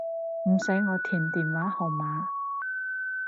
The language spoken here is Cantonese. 唔使我填電話號碼